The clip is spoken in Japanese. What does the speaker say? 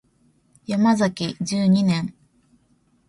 ヤマザキ十二年